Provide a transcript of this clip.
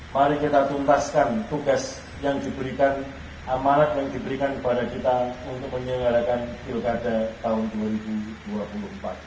mari kita tuntaskan tugas yang diberikan amanat yang diberikan kepada kita untuk menyelenggarakan pilkada tahun dua ribu dua puluh empat